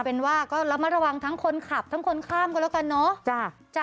เป็นว่าก็ระมัดระวังทั้งคนขับทั้งคนข้ามก็แล้วกันเนอะ